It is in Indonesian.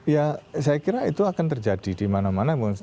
ya saya kira itu akan terjadi di mana mana